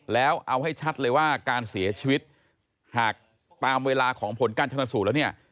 แล้วเอาให้ชัดเลยว่าการเสียชีวิตหากตามเวลาของผลการชนสูตรแล้วเนี่ย